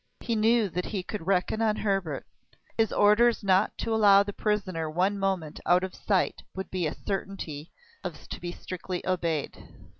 He knew that he could reckon on Hebert; his orders not to allow the prisoner one moment out of sight would of a certainty be strictly obeyed.